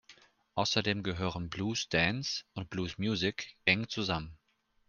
Außerdem gehören Blues Dance und Blues-Musik eng zusammen.